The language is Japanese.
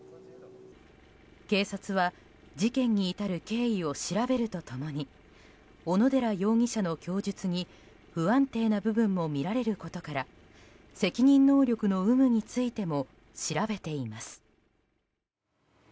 警察は事件に至る経緯を調べると共に小野寺容疑者の供述に不安定な部分も見られることから責任能力の有無についても調べています。